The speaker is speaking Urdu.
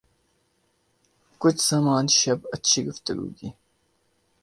کچھ سامان شب اچھی گفتگو کی